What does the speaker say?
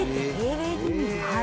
はい。